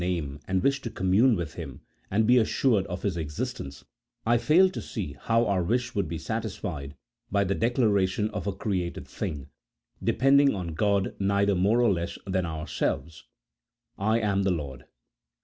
17 name and wished to coninmne with Him, and be assured of His existence, I fail to see how our wish would be satisfied by the declaration of a created thing (depending on God neither more nor less than ourselves), "I am the Lord."